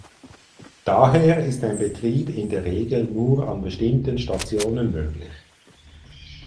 Daher ist ein Betrieb in der Regel nur an bestimmten Stationen möglich.